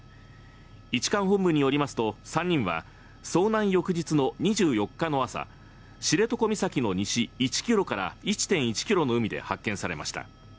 一管本部によりますと、３人は遭難翌日の２４日の朝、知床岬の西１ｋｍから１．１ｋｍの海で発見されました。